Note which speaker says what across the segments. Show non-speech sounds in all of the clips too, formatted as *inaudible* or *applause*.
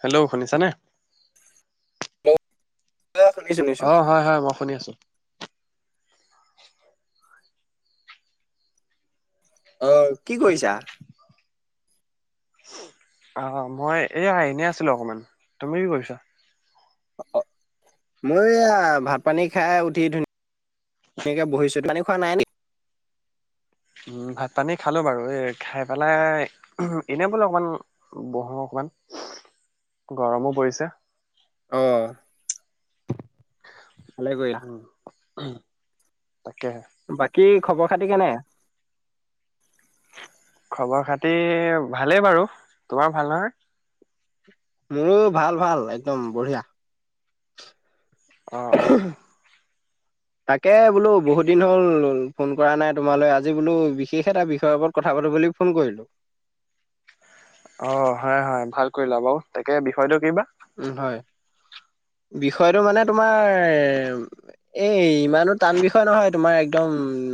Speaker 1: Hello শুনিছা নে।
Speaker 2: Hello. শুনিছো শুনিছো
Speaker 1: অহ হয় হয় মই শুনি আছোঁ।
Speaker 2: অহ কি কৰিছা।
Speaker 1: অ' মই এইয়া এনে আছিলোঁ অকমান তুমি কি কৰিছা।
Speaker 2: অ' মই এয়া ভাত পানী খাই উঠি ধুনীয়া। ধুনীয়াকে বহিছোঁ। পানী খোৱা নাই নে?
Speaker 1: উম ভাত পানী খালো বাৰু। এই খাই পেলাই এনে বোলো অকমান বহোঁ। ইমান গৰমো পৰিছে।
Speaker 2: অহ।
Speaker 1: উম। তাকে।
Speaker 2: বাকী খবৰ খাতি কেনে।
Speaker 1: খবৰ খাতি ভালেই বাৰু তোমাৰ ভাল নহয়।
Speaker 2: মোৰো ভাল ভাল একদম বঢ়িয়া।
Speaker 1: অঁ অঁ।
Speaker 2: তাকে বোলো বহুত দিন হ'ল ফোন কৰা নাই। তোমালৈ আজি বোলো বিশেষ এটা বিষয়ৰ ওপৰত কথা। কথা পাতো বুলি ফোন কৰিলোঁ।
Speaker 1: অ হয় হয় ভাল কৰিলা বাৰু তাকে বিষয়টো কি বা।
Speaker 2: উম হয়। বিষয়টো মানে তোমাৰ এই ইমানো টান বিষয় নহয় তোমাৰ একদম। একদম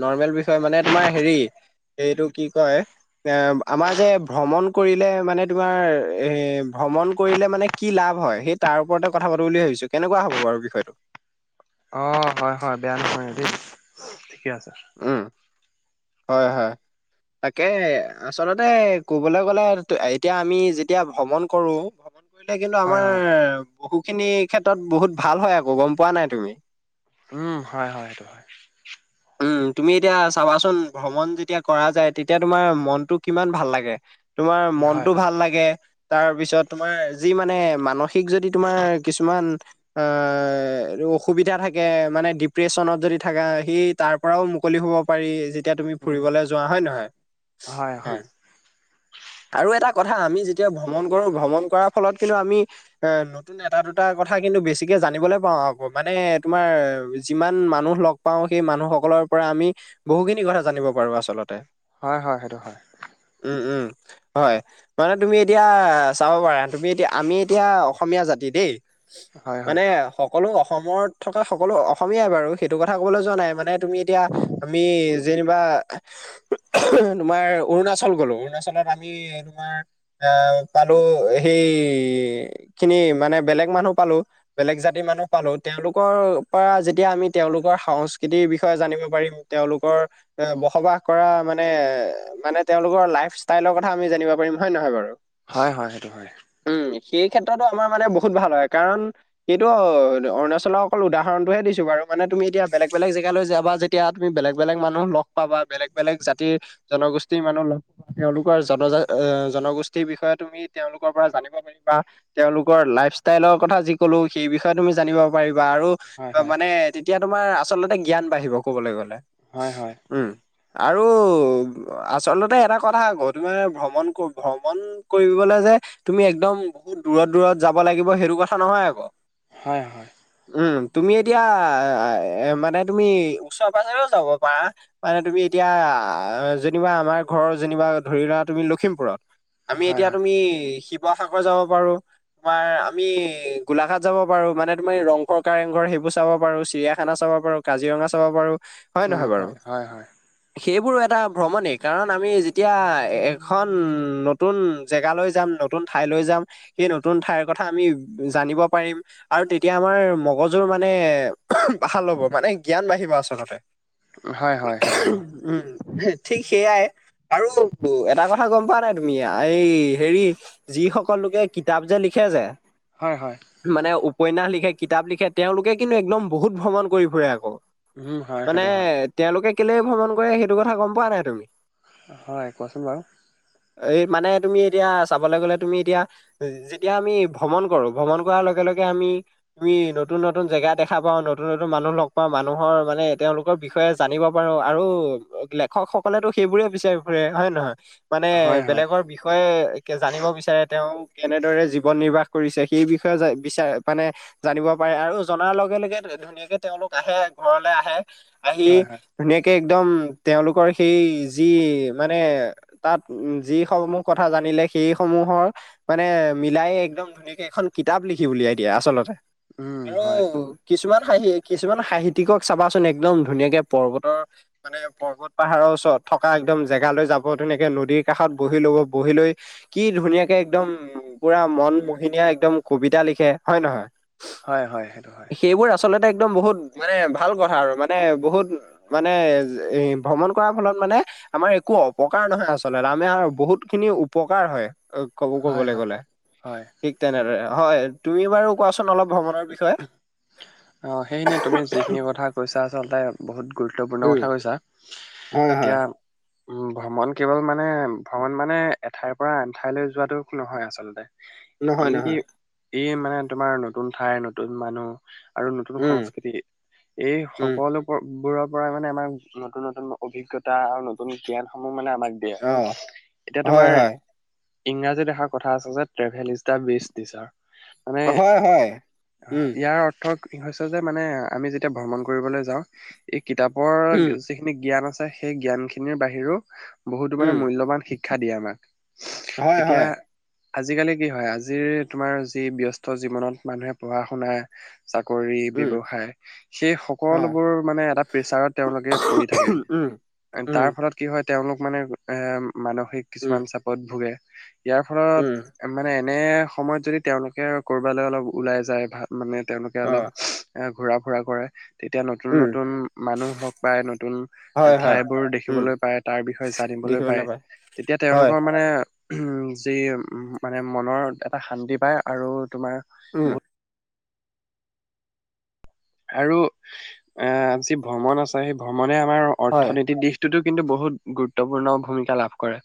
Speaker 2: নৰ্মেল বিষয় মানে তোমাৰ হেৰি এইটো কি কয়। এ আমাৰ যে ভ্ৰমণ কৰিলে মানে তোমাৰ এ ভ্ৰমণ কৰিলে মানে। কি লাভ হয় সেই তাৰ ওপৰতে কথা পাতো বুলি ভাবিছোঁ। কেনেকুৱা হ'ব বাৰু বিষয়টো।
Speaker 1: অ' কি আছা
Speaker 2: উম হয় হয়। তাকে আচলতে কবলৈ গ'লে এতিয়া আমি যেতিয়া ভ্ৰমণ কৰো ভ্ৰমণ কৰিলে কিন্তু
Speaker 1: হয়
Speaker 2: আমাৰ
Speaker 1: হয়
Speaker 2: বহু খিনি ক্ষেত্ৰত বহুত ভাল হয় আকৌ গম পোৱা নাই তুমি?
Speaker 1: উম হয় হয় সেইটো হয়।
Speaker 2: উম তুমি এতিয়া চাবাচোন ভ্ৰমণ যেতিয়া কৰা যায় তেতিয়া তোমাৰ মনটো কিমান ভাল লাগে। তোমাৰ
Speaker 1: হয়
Speaker 2: মনতটো
Speaker 1: হয়।
Speaker 2: ভাল লাগে, তাৰ পিছত তোমাৰ যি মানে মানসিক যদি তোমাৰ কিছুমান এ অসুবিধা থাকে মানে ডিপ্ৰেশ্যনত যদি থাকা সেই তাৰ পৰাও মুকলি হ'ব পাৰি তুমি
Speaker 1: উম
Speaker 2: ফুৰিবলৈ যোৱা হয় নহয়
Speaker 1: হয়
Speaker 2: উ
Speaker 1: হয়
Speaker 2: আৰু এটা কথা আমি যেতিয়া ভ্ৰমণ কৰো ভ্ৰমণ কৰাৰ ফলত কিন্তু আমি এ নতুন এটা দুটাৰ কথা কিন্তু বেছিকে জানলৈ পাওঁ আকৌ মানে তোমাৰ যিমান মানুহ লগ পাওঁ সেই মানুহ সকলৰ পৰা আমি বহুখিনি কথা জানিব পাৰো আচলতে।
Speaker 1: হয় হয় সেইটো হয়।
Speaker 2: উম উম হয় মানে তুমি এতিয়া চাব পাৰা তুমি এতিয়া আমি এতিয়া অসমীয়া জাতি দেই
Speaker 1: হয় হয়।
Speaker 2: মানে সকলো অসমত থকা সকলো অসমীয়াই বাৰু সেইটো কথা ক'বলৈ যোৱা নাই মানে তোমি এতিয়া আমি যেনিবা তোমাৰ অৰুনাচল গ'লো, অৰুনাচল আমি তোমাৰ পালো সেই খিনি মানে বেলেগ ম মানহ পালো বেলেগ জাতিৰ মানুহ পালো তেওঁলোকৰ পৰা যেতিয়া আমি তেওঁলোকৰ সংস্কৃতিৰ বিষয় ষ জানিব পাৰিম তেওঁলোকৰ এ বসবাস কৰা মানে মানে তেওঁলোকৰ লাইফস্থাইল কথা আমি জানিবপাৰিম হয় নহয় বাৰু?
Speaker 1: হয় হয় সেইটো হয়।
Speaker 2: উম, সেই ক্ষেত্ৰতো আমাৰ মানে বহুত ভাল হয় কাৰণ সেইটো অৰুণাচলৰ অকল উদাহৰণতটোহে দিছো। বাৰু মানে তুমি এতিয়া বলেগ বেগ যাবা যেতিয়া তুমি বেলেগ বেলেগ মানুহ লগ পাবা, বা বেলেগ বেলেগ জাতি- জনগোষ্ঠীৰ মানুহ লগ পাব তেওঁলোকৰ জন জনগোষ্ঠীৰ বিষয়ে তুমি তেওঁলোকৰ পৰা জানিব পাৰিব তেওঁলোকৰ লাইভ ষ্টাইলৰ কথা যি ক'লো সেই বিষয়ে তুমি জানিব পাৰিবা, বা
Speaker 1: হয়
Speaker 2: আৰু মানে তেতিয়া তোমাৰ আচলতে জ্ঞান বাঢ়িব কবলৈ গলে।
Speaker 1: হয় হয়।
Speaker 2: উম আৰু আচলতে এটা কথা আকৌ তুমাৰ ভ্ৰমণ ভ্ৰমণ কৰিবলৈ যে তুমি একদম বহুত দূৰত দূৰত যাব লাগিব সেইটো কথা নহয় আ'ক।
Speaker 1: হয় হয়।
Speaker 2: উম তুমি এতিয়া মানে তুমি ওচৰে পাঁজৰেও যাব পাৰা মানে তুমি এতিয়া যেনিবা আমাৰ ঘৰৰ যেনিবা ধৰিলোৱা তুমি লক্ষিমপুৰত, আমি
Speaker 1: হয়
Speaker 2: এতিয়া
Speaker 1: হয়
Speaker 2: তুমি শিৱসাগৰ যাব পাৰো তোমাৰ আমি গোলাঘাট যাব পাৰো, মানে তুমাৰ ৰংঘৰ কাৰেংঘৰ সেই বোৰ চাব পাৰো, চিৰিয়াখানা চাব পাৰো, কাজিৰঙা চাব পাৰো, *unintelligible*
Speaker 1: উ
Speaker 2: নহয় বাৰু
Speaker 1: হয় হয় হয়।
Speaker 2: সেইবোৰো এটা ভ্ৰমণেই কাৰণ আমি যেতিয়া এখন নতুন জেগালৈ যাম নতুন ঠাই লৈ যাম সেই নতুন ঠাইৰ কথা আমি জানিব পাৰিম আৰু তেতিয়া আমাৰ মগজুৰ মানে ভাল হ'ব মানে জ্ঞান বাঢ়িব আচলতে।
Speaker 1: হয় হয় সব।
Speaker 2: উম ঠিক সেইয়াই আৰু এটা কথা গম পোৱা নাই তুমি এই হেৰি যি যি সকল লোকে কিতাপ যে লিখে যে
Speaker 1: হয় হয়
Speaker 2: মানে উপন্যাস লিখে, কিতাপ লিখে তেওঁলোকে কিন্তু একদম বহুত ভ্ৰমণ কৰি ফুৰে আকৌ।
Speaker 1: উম হয়
Speaker 2: মানে
Speaker 1: সেইটো হয়
Speaker 2: তেওঁলোকে কেলে ভ্ৰমণ কৰে সেইটো কথা গম পোৱা নাই তুমি?
Speaker 1: হয় কোৱাচোন বাৰু?
Speaker 2: এই মানে তুমি এতিয়া চাবলৈ গলে তুমি এতিয়া যেতিয়া আমি ভ্ৰমণ কৰো ভ্ৰমণ কৰাৰ লগে লগে আমি তমি নতুন নতুন জেগা দেখা পাওঁ, নুতুন, নতুন মানুহ লগ পাও মানু মানুহৰ মানে তেওঁলোকৰ বিষয়ে জানিব পাৰো আৰু লেখকসকলেতো সেইবোৰে বিচাৰি ফুৰে হয় *unintelligible* হয় নহয় মানে
Speaker 1: হয় হয়
Speaker 2: বেলেগৰ বিষয়ে জানিব বিচাৰে তেওঁ *inaudible* কেনেদৰে জীৱন নিৰ্বাহ কৰিছে সেই বিষয়ে বিচাৰ মানে জানিব পাৰে আৰু জনাৰ লগে-লগে *unintelligible* ধুনীয়াকে তেওঁলোক আহে ঘৰলে আহে আহি
Speaker 1: হয় হয়
Speaker 2: ধুনীয়াকে *unintelligible* একদম তেওঁলোকৰ সেই যি মানে তাত যিসমূহ কথা জানিলে *unintelligible* সেইসমূহৰ মানে মিলাই একদম ধুনীয়াকে এখন কিতাপ লিখি উলিয়াই দিয়ে আচলতে।
Speaker 1: উম
Speaker 2: আৰু
Speaker 1: হয় সেইটো হয়
Speaker 2: কিছুমান হাঁহি কিছুমান সাহিত্য *unintelligible* কি ক‌ওঁ চাবাচোন একদম ধুনীয়াকে পৰ্বতৰ মানে পৰ্বত-পাহাৰৰ ওচৰত থকা একদম জেগালৈ যাব। *unintelligible* ধুনীয়াকে নদীৰ কাষত বহি ল'ব বহি লৈ কি ধুনীয়াকে একদম পুৰা মন মোহিনী একদম কবিতা লিখে হয় নহয় *inaudible*
Speaker 1: হয়-হয় *unintelligible*
Speaker 2: সেইবোৰ আচলতে একদম বহুত মানে ভাল কথা আৰু মানে বহুত মানে এ ভ্ৰমণ কৰাৰ ফলত মানে আমাৰ একো *unintelligible* অপকাৰ নহয় আচলতে *unintelligible* আৰু বহুতখিনি উপকাৰ হয় অ কব
Speaker 1: হয়
Speaker 2: কবলৈ
Speaker 1: হয়
Speaker 2: গ'লে
Speaker 1: হয়
Speaker 2: ঠিক তেনেদৰে হয় তুমি বাৰু কোৱাচোন? *unintelligible* অলপ ভ্ৰমণৰ বিষয়ে *unintelligible*
Speaker 1: খিনি কথা কৈছা আচলতে বহুত গুৰুত্বপূৰ্ণ
Speaker 2: উম
Speaker 1: কথা কৈছা
Speaker 2: হয় হয়
Speaker 1: এতিয়া উম ভ্ৰমণ কেৱল মানে ভ্ৰমণ মানে এঠাইৰ পৰা আন ঠাইলৈ যোৱাটো নহয় আচলতে *unintelligible* ই
Speaker 2: নহয়-নহয়
Speaker 1: ই মানে তোমাৰ নতুন ঠাই নতুন মানুহ *unintelligible* আৰু নতুন
Speaker 2: উম
Speaker 1: সংস্কৃতি এই
Speaker 2: উম
Speaker 1: সকলোবোৰক *unintelligible* পৰা মানে আমাৰ নতুন-নতুন অভিজ্ঞতা আৰু নতুন জ্ঞানসমূহ মানে আমাক *unintelligible* দিয়া
Speaker 2: অ'
Speaker 1: *unintelligible* এতিয়া
Speaker 2: হয়
Speaker 1: তোমাৰ
Speaker 2: হয়
Speaker 1: ইংৰাজীত এষাৰ কথা আছে যে travel is the best teacher *unintelligible* মানে
Speaker 2: হয়-হয়
Speaker 1: ইয়াৰ অৰ্থ কি হৈছে যে মানে আমি যেতিয়া ভ্ৰমণ কৰিবলৈ যাওঁ *unintelligible* কিতাপৰ
Speaker 2: উম
Speaker 1: যিখিনি জ্ঞান আছে সেই জ্ঞানখিনিৰ বাহিৰেও বহুতো মানে মূল্যবান শিক্ষ *unintelligible* শিক্ষা দিয়ে আমাক এতিয়া
Speaker 2: হয়-হয়
Speaker 1: আজিকালি কি হয় আজিৰ তোমাৰ যি ব্যস্ত জীৱনত মানুহে পঢ়া-শুনা *unintelligible* চাকৰি
Speaker 2: উম
Speaker 1: ব্যৱসায় সেই
Speaker 2: হয়
Speaker 1: সকলোবোৰ মানে এটা প্ৰেচাৰত তেওঁলোকে পৰি থাকে।
Speaker 2: উম। উম
Speaker 1: তাৰ ফলত কি হয় তেওঁলোক মানে এ মানসিক
Speaker 2: উম
Speaker 1: কিছুমান চাপত ভোগে। ইয়াৰ ফলত
Speaker 2: উম
Speaker 1: মানে এনে সময়ত যদি তেওঁলোকে কৰবালৈ অলপ ওলাই যায় ভাল *unintelligible* মানে তেওঁলোকে অলপ
Speaker 2: অ'
Speaker 1: এ *unintelligible* ঘূৰা-ফুৰা কৰে তেতিয়া
Speaker 2: উম
Speaker 1: নতুন-নতুন মানুহ লগ পায় নতুন
Speaker 2: হয় হয়
Speaker 1: ঠাই বোৰ
Speaker 2: উম
Speaker 1: দেখিবলৈ পায় তাৰ বিষয়ে জানি *unintelligible* *unintelligible*
Speaker 2: দেখিবলৈ পায়।
Speaker 1: তেতিয়া
Speaker 2: হয়।
Speaker 1: তেওঁলোকৰ মানে উম যি মানে মনৰ এটা শান্তি পায় আৰু তোমাৰ
Speaker 2: উম,
Speaker 1: বহু *unintelligible* আৰু আহ যি ভ্ৰমণ আছে সেই ভ্ৰমণে আমাৰ
Speaker 2: হয়,
Speaker 1: অৰ্থনীতিৰ দিশ এইটো কিন্তু বহুত গুৰুত্বপূৰ্ণ ভূমিকা লাভ কৰে।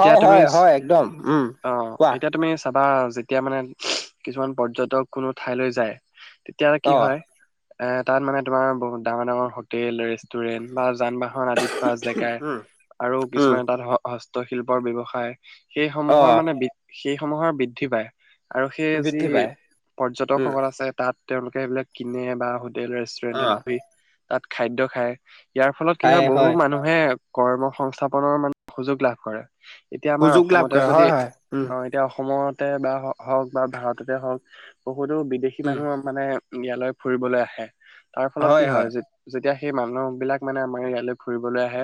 Speaker 1: এতিয়া তুমি
Speaker 2: হয়, হয়, একদম উম।
Speaker 1: অ
Speaker 2: কোৱা
Speaker 1: *inaudible* এতিয়া তুমি চাব। বা যেতিয়া মানে *unintelligible* কিছুমান পৰ্যটক কোনো ঠাইলৈ যায়। তেতিয়ালে কি
Speaker 2: অ',
Speaker 1: হয় এ তাত মানে তোমাৰ বহুত ডাঙৰ-ডাঙৰ হোটেল, ৰেষ্টুৰেণ্ট *unintelligible* বা যান-বাহন আদি থোৱা জেগাই
Speaker 2: উম,
Speaker 1: আৰু
Speaker 2: উম,
Speaker 1: কিছুমান *unintelligible* হস্তশিল্পৰ ব্যৱসায় সেইসমূহৰ
Speaker 2: অ',
Speaker 1: মানে বি সেইসমূহৰ বৃদ্ধি পায় *unintelligible* আৰু সেই যি
Speaker 2: বৃদ্ধি পায় উম,
Speaker 1: পৰ্যটকসকল আছে তাত তেওঁলোকে সেইবিলাক কিনে বা *unintelligible* হোটেল
Speaker 2: অ'।
Speaker 1: ৰেষ্টুৰেন্টত *unintelligible* তাত খাদ্য খায় ইয়াৰ ফলত কি হয় বহু মানুহে কৰ্ম সংস্থাপনৰ মানে সুযোগ লাভ কৰে। এতিয়া আমাৰ
Speaker 2: সুযোগ লাভ
Speaker 1: অসমতে
Speaker 2: কৰে
Speaker 1: যদি
Speaker 2: হয়, হয়, উম,
Speaker 1: অ' এতিয়া অসমত *inaudible* বা হওক বা ভাৰততে হওক বহুতো বিদেশী
Speaker 2: উম,
Speaker 1: মানুহ মানে ইয়ালৈ *unintelligible* ফুৰিবলৈ আহে তাৰ ফলত কি হয়, যেতিয়া সেই মানুহ বিলাক মানে আমাৰ ইয়ালৈ ফুৰিবলৈ আহে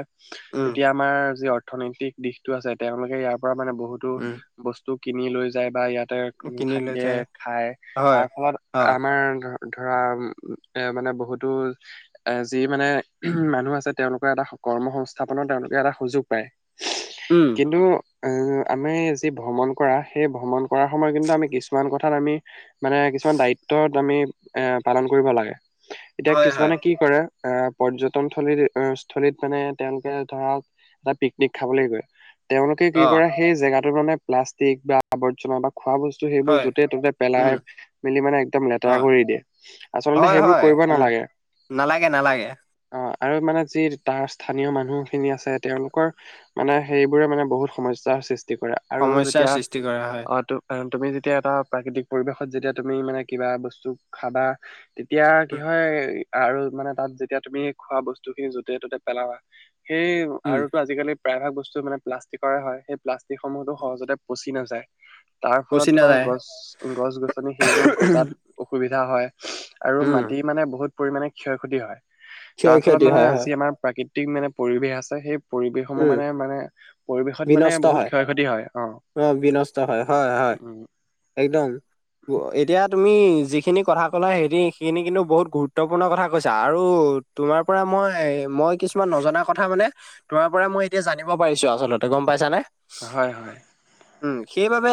Speaker 2: উম,
Speaker 1: তেতিয়া আমাৰ যি অৰ্থনৈতিক দিশটো আছে। তেওঁলোকে ইয়াৰ পৰা মানে বহুতো
Speaker 2: উম।
Speaker 1: বস্তু কিনি লৈ যায় বা ইয়াতে
Speaker 2: কিনি লৈ
Speaker 1: থাকে
Speaker 2: যায়
Speaker 1: খায়।
Speaker 2: হয়,
Speaker 1: তাৰ ফলত
Speaker 2: অ',
Speaker 1: আমাৰ ধৰা এ মানে বহুতো এ যি মানে মানুহ আছে তেওঁলোকৰ এটা স কৰ্ম সংস্থাপনৰ তেওঁলোকে এটা সুযোগ পায়।
Speaker 2: উম,
Speaker 1: কিন্তু এ
Speaker 2: *inaudible*
Speaker 1: আমি যি ভ্ৰমণ কৰা সেই ভ্ৰমণ কৰাৰ সময়ত কিন্তু আমি কিছুমান কথাত আমি মানে কিছুমান দায়ি ত্ব আমি এ পালন কৰিব লাগে। এতিয়া
Speaker 2: হয়, হয়,
Speaker 1: কিছুমানে কি কৰে আহ পৰ্যটন থলী স্থলীত মানে তেওঁলোকে ধৰা এটা পিকনিক খাবলৈ গৈ তেওঁলোকে কি
Speaker 2: অ',
Speaker 1: কৰে সেই জেগাটোত মানে প্লাষ্টিক বা আৱৰ্জনা বা খোৱা বস্তু সেইবোৰ
Speaker 2: হয়,
Speaker 1: য'তে ত'তে
Speaker 2: উম,
Speaker 1: পেলাই মেলি মানে একদম লেতেৰা
Speaker 2: অ',
Speaker 1: কৰি আচলতে
Speaker 2: হয়,
Speaker 1: সেইবোৰ
Speaker 2: হয়,
Speaker 1: কৰিব
Speaker 2: উম,
Speaker 1: নালাগে।
Speaker 2: নালাগে, নালাগে
Speaker 1: অ'। আৰু মানে যি তাৰ স্থানীয় মানুহখিনি আছে তেওঁলোকৰ মানে সেইবোৰে মানে বহুত সমস্যাৰ সৃষ্টি কৰা আৰু
Speaker 2: সমস্যাৰ
Speaker 1: যেতিয়া
Speaker 2: সৃষ্টি কৰা হয়।
Speaker 1: অ' ত তুমি যে তেতিয়া এটা প্ৰাকৃতিক পৰিৱেশত যেতিয়া তুমি মানে কিবা বস্তু খাবা এতিয়া কি
Speaker 2: উম,
Speaker 1: হয় আৰু মানে তাত যেতিয়া তুমি খোৱা বস্তু খিনি য'তে ত'তে পেলাবা সেই
Speaker 2: উম,
Speaker 1: আৰুতো আজিকালি প্ৰায়ভাগ বস্তু মানে প্লাষ্টিকৰে হয় সেই প্লাষ্টিকসমূহতো সহজতে পচি নাযায়। তাৰ ফলত
Speaker 2: পচি
Speaker 1: তোমাৰ
Speaker 2: নাযায়
Speaker 1: গছ গছ- গছনি সেইবোৰ গজাত অসুবিধা হয়। আৰু
Speaker 2: উম,
Speaker 1: মাটি মানে বহুত পৰিমণে ক্ষয় ক্ষতি হয়। তাৰ
Speaker 2: ক্ষয়
Speaker 1: ফলত
Speaker 2: ক্ষতি
Speaker 1: মানে
Speaker 2: হয়,
Speaker 1: আজি
Speaker 2: হয়,
Speaker 1: আমাৰ প্ৰাকৃতি মানে পৰিৱেশ আছে সেই পৰিৱেশসমূহ
Speaker 2: উম,
Speaker 1: মানে মানে পৰিৱেশত মানে
Speaker 2: বিনষ্ট
Speaker 1: বহুত
Speaker 2: হয়।
Speaker 1: ক্ষয় ক্ষতি হয়।
Speaker 2: অ' বিনষ্ট হয়, হয় হয়
Speaker 1: উম
Speaker 2: একদম এতিয়া তুমি যিখিনি কথা কলা সেইখিনি কিন্তু বহুত গুৰুত্বপূৰ্ণ কথা কৈছা আৰু তোমাৰ পৰাই মই মই কিছুমান নজনা কথা মানে তোমাৰ পৰা মই এতিয়া জানিব পাৰিছো আচলতে। গম পাইছা নে?
Speaker 1: হয় হয়।
Speaker 2: সেইবাবে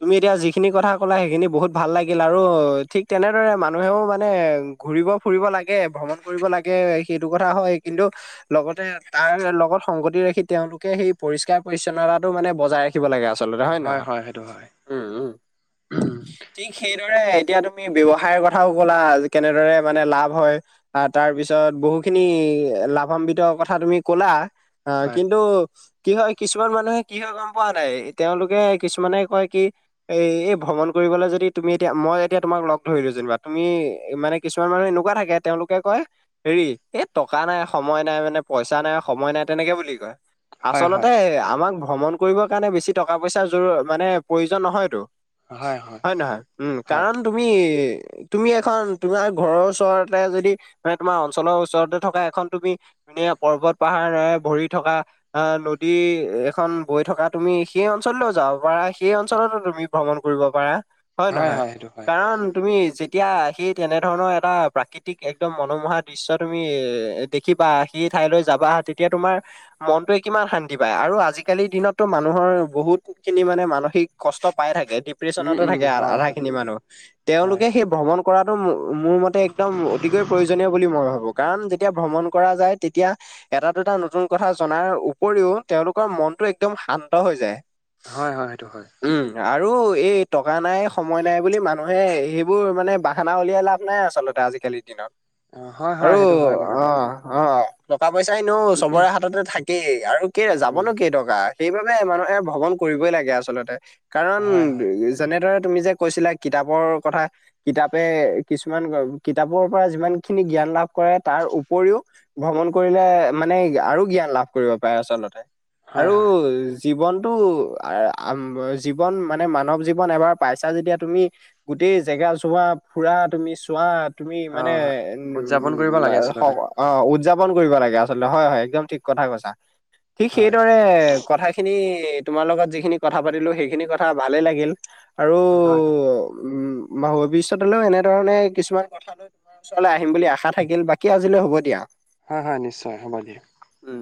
Speaker 2: তুমি এতিয়া যিখিনি কথা কলা সেইখিনি বহুত ভাল লাগিল আৰু ঠিক তেনেদৰে মানুহে মানে ঘুৰিব ফুৰিব লাগে ভ্ৰমণ কৰিব লাগে। সেইটো কথা হয়, কিন্তু লগতে তাৰ লগত সংগতি ৰাখি তেওঁলোকে সেই পৰিষ্কাৰ পৰি্ছন্নতাটো মানে বজাই ৰাখি ব লাগে আচলতে হয় নহয়? উ উ ঠিক সেই দৰে এতিয়া তুমি ব্যৱসায়ৰ কথাও ক'লা কেনেদৰে মানে লাভ হয় আহ তাৰ পিছত ব বহু খিনি লাভান্বিত কথা তুমি কলা, আহ
Speaker 1: হয়
Speaker 2: কিন্তু কি হয় কিছুমান মানুহে কি হয় গম পোৱা নাই তেওঁলোকে কিছুমানে কয় কি এই এই ভ্ৰমণ কৰি লে যদি তুমি এতিয়া মই এতিয়া তোমাক লগ ধৰিলো যেনিবা, তুমি মানে কিছুমান মানুহ এনেকুৱা থাকে তেওঁলোকে কয় হেৰি এই টকা নাই সময় নাই মানে পইচা নাই সময় নাই তেনেকে বুলি কয়।
Speaker 1: হয়
Speaker 2: আচলতে
Speaker 1: হয়
Speaker 2: আমাক ভ্ৰমণ কৰিবৰ কাৰণে বেছি টকা পইচাৰ জ মানে প্ৰয়োজন নহয়তো। হয় নহয়? উম
Speaker 1: হয়
Speaker 2: কাৰণ তুমি তুমি এখন তোমাৰ ঘৰৰ ওচৰতে যদি মান তোমাৰ অঞ্চলৰ ওচৰতে থকা এখন তুমি মানে পৰ্বত পাহাৰেৰে ভৰি থকা আ নদী এখন বৈ থকা তুমি সেই অঞ্চললৈও যাব পাৰা সেই অঞ্চলতো তুমি ভ্ৰমণ কৰি কৰিব পাৰা হয় নহয়? কাৰণ তুমি যে তিয়া সেই তেনেধৰণৰ এটা প্ৰাকৃতিক একদম মনোমোহা দৃশ্য তুমি এ দেখিবা, সেই ঠাইলৈ যাবা তেতিয়া তোমাৰ মনটোৱে কিমান শান্তি পায় আৰু আজিকালিৰ দিনত ত' মানুহৰ বহুতখিনি মানে মানসিক কষ্ট পাই থাকে।
Speaker 1: উম
Speaker 2: ডিপ্ৰেশচনতে
Speaker 1: উম
Speaker 2: থাকে
Speaker 1: হয়
Speaker 2: আধা
Speaker 1: হয়
Speaker 2: খিনি মানুহ
Speaker 1: হয়
Speaker 2: তেওঁলোকে সেই ভ্ৰমণ কৰাটো মোৰ মতে একদম অতিকৈ প্ৰয়োজনীয় বুলি মই ভাবো কাৰণ যেতিয়া ভ্ৰমণ কৰা যায় তেতিয়া এটা দুটা নতুন কথা জনাৰ উপৰিও তেওঁলোকৰ মনতটো একদম শান্ত হৈ যায়।
Speaker 1: হয় হয় সেইটো হয়।
Speaker 2: উম আৰু এই টকা নাই সময় নাই বুলি মানুহে সেইবোৰ মানে বাহানা উলিয়াই লাভ নাই আচলতে আজিকালি। আজিকালিৰ দিনত
Speaker 1: অ হয় হয়
Speaker 2: আৰু
Speaker 1: সেইটো হয় বাৰু দেই
Speaker 2: অঁ অঁ। টকা পইচাই নো চবৰে হাততে থাকেই আৰু কেই যাব
Speaker 1: উম
Speaker 2: নো কেই টকা। সেইবাবে মানুহে ভ্ৰমণ কৰিবই লাগে আচলতে কাৰণ
Speaker 1: হয় হয়
Speaker 2: যেনেদৰে তুমি যে কৈছিলা কিতাপৰ কথা কিতাপে কিছুমান কিতাপৰ পৰা যিমান খিনি জ্ঞান লাভ কৰে তাৰ উপৰিও ভ্ৰমণ কৰিলে মানে আৰু জ্ঞান লাভ কৰিব। পায় আচলতে আৰু
Speaker 1: হয় হয়
Speaker 2: জীৱনটো আৰ উম জীৱন মানে মানৱ জীৱন এবাৰ পাইছা যেতিয়া তুমি গো গেই জেগা চোৱা ফুৰা তুমি চোৱাত তুমি
Speaker 1: অ
Speaker 2: মানে
Speaker 1: উদযাপন কৰিব লাগে
Speaker 2: উ
Speaker 1: আচলতে
Speaker 2: অ উদযাপ ন কৰিব লাগে আচলতে হয় একদম ঠিক কথা কৈছা। ঠিক
Speaker 1: হয়
Speaker 2: সেইদৰে কথাখিনি দ তোমাৰ লগত যিখিনি কথা পাতিলো সেইখিনি কথা ভালে লাগিল। আৰু
Speaker 1: হয় হয়।
Speaker 2: উম বা ভৱিষ্যতলৈও এনেধৰণে কিছুমান কথা লৈ ওচৰলৈ আহিম বুলি আশা থাকিল বাকী আজিলৈ হ'ব দিয়া।
Speaker 1: হয় হয় নিশ্চয় হ'ব দিয়া।
Speaker 2: উম